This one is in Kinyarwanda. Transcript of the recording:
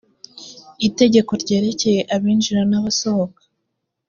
itegeko ryerekeye abinjira n’abasohoka